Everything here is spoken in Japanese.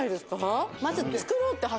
まず。